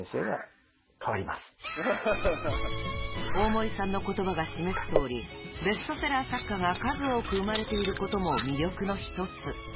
［大森さんの言葉が示すとおりベストセラー作家が数多く生まれていることも魅力の一つ］